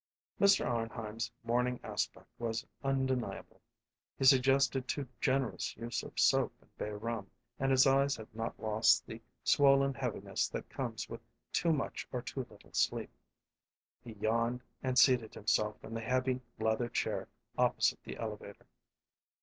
Mr. Arnheim's morning aspect was undeniable. He suggested too generous use of soap and bay rum, and his eyes had not lost the swollen heaviness that comes with too much or too little sleep. He yawned and seated himself in the heavy leather chair opposite the elevator.